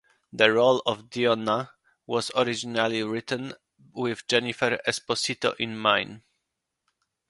The role of Dionna was originally written with Jennifer Esposito in mind.